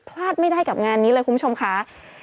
พลาดไม่ได้กับงานนี้เลยคุณผู้ชมค่ะ